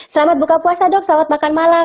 selamat buka puasa dok selamat makan malam